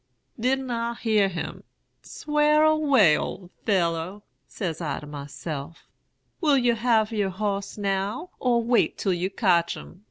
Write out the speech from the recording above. Didn't I hear him? Swar away, ole fellow! says I to myself. Will you have yer hoss now, or wait till you cotch him?